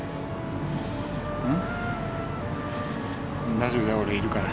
大丈夫だよ俺いるから。